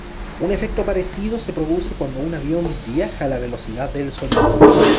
Un efecto parecido se produce cuando un avión viaja a la velocidad del sonido.